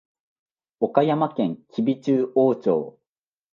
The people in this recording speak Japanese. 岡山県吉備中央町